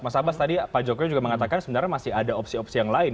mas abbas tadi pak jokowi juga mengatakan sebenarnya masih ada opsi opsi yang lain